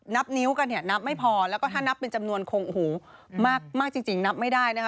นับไม่พอแล้วก็ถ้านับเป็นจำนวนคงหูมากจริงนับไม่ได้นะคะ